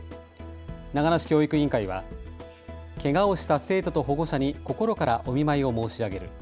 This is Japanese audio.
長野市教育委員会はけがをした生徒と保護者に心からお見舞いを申し上げる。